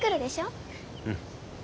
うん。